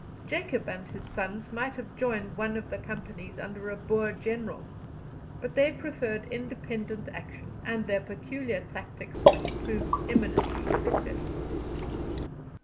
Jacob and his sons might have joined one of the companies under a Boer general, but they preferred independent action, and their peculiar tactics, which proved eminently successful.